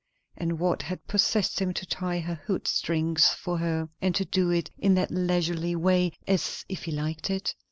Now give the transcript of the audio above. And what had possessed him to tie her hood strings for her, and to do it in that leisurely way, as if he liked it?